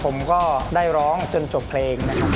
ช่วยฝังดินหรือกว่า